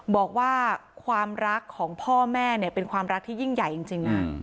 บอกว่าความรักของพ่อแม่เนี่ยเป็นความรักที่ยิ่งใหญ่จริงนะ